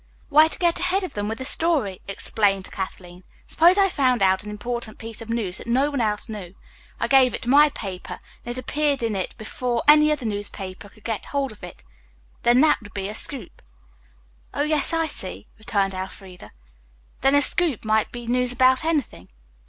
"Why, to get ahead of them with a story," explained Kathleen. "Suppose I found out an important piece of news that no one else knew. If I gave it to my paper and it appeared in it before any other newspaper got hold of it then that would be a scoop." "Oh, yes, I see," returned Elfreda. "Then a scoop might be news about anything."